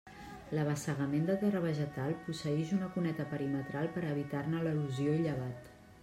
L'abassegament de terra vegetal posseïx una cuneta perimetral per a evitar-ne l'erosió i llavat.